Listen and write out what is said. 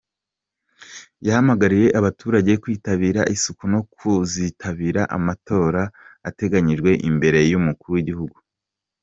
Yahamagariye abaturage kwitabira isuku no kuzitabira amatora ateganyijwe imbere y’umukuru w’igihugu.